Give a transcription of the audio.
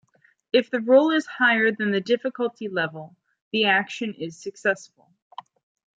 If the roll is higher than the difficulty level, the action is successful.